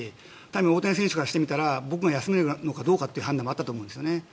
大谷選手からしてみたら僕が休めるのかどうかという判断もあったと思うんですね。